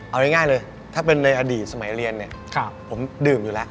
เอาง่ายเลยถ้าเป็นในอดีตสมัยเรียนเนี่ยผมดื่มอยู่แล้ว